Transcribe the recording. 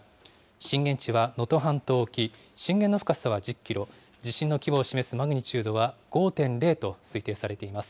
震源地は能登半島沖、震源の深さは１０キロ、地震の規模を示すマグニチュードは５．０と推定されています。